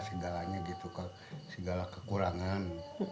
semuanya semua kekurangan